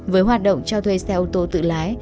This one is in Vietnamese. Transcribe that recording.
với hoạt động cho thuê xe ô tô tự lái